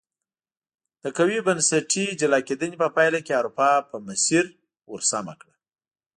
د قوي بنسټي جلا کېدنې په پایله کې اروپا په مسیر ور سمه کړه.